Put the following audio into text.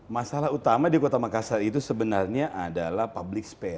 masalah utama di kota makassar itu sebenarnya adalah public spare